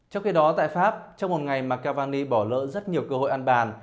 trong khi đó tại pháp trong một ngày mà cavani bỏ lỡ rất nhiều cơ hội ăn bàn